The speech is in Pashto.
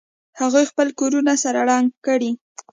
هغوی خپل کورونه سره رنګ کړي